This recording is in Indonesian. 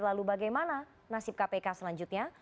lalu bagaimana nasib kpk selanjutnya